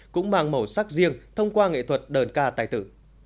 cũng mang màu sắc riêng thông qua nghệ thuật đờn ca tài tử